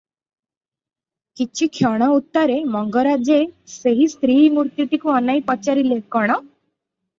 କିଛିକ୍ଷଣ ଉତ୍ତାରେ ମଙ୍ଗରାଜେ ସେହି ସ୍ତ୍ରୀ ମୂର୍ତ୍ତିଟିକୁ ଅନାଇ ପଚାରିଲେ, "କ'ଣ?"